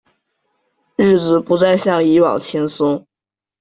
日子不再像以往轻松